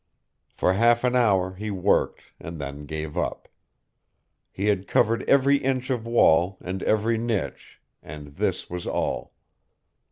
For half an hour he worked and then gave up. He had covered every inch of wall and every niche, and this was all!